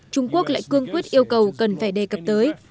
trung quốc lại cương quyết yêu cầu cần phải đề cập tới